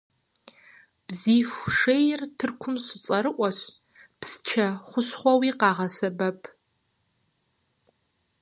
Бзииху шейр Тыркум щыцӏэрыӏуэщ, псчэ хущхъуэуи къагъэсэбэп.